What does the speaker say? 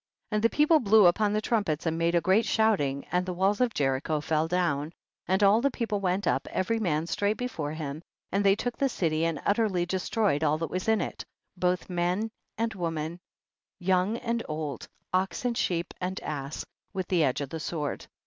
21 . And the people blew upon trumpets and made a great shouting, and the walls of Jericho fell down, and all the people went up, every man straight before him, and they took the city and utterly destroyed all that was in it, both man and wo man, young and old, ox and sheep and ass, with the edge of the sword.